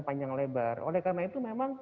panjang lebar oleh karena itu memang